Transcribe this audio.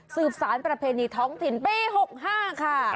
สารประเพณีท้องถิ่นปี๖๕ค่ะ